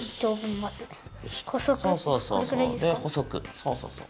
そうそうそう。